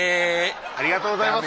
ありがとうございます。